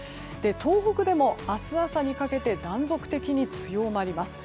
東北でも明日朝にかけて断続的に強まります。